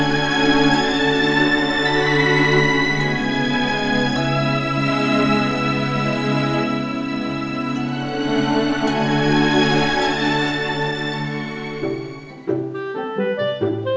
mama gak mau rafa terluka